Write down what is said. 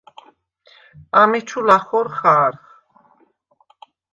ამეჩუ ლახორ ხა̄რხ.